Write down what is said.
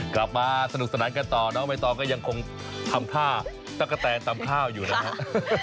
กลับมาสนุกสนานกันต่อน้องใบตองก็ยังคงทำท่าตะกะแตนตำข้าวอยู่นะฮะ